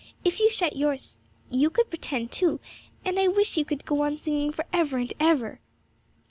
If you shut yours you could pretend too, and I wish you could go on singing for ever and ever!'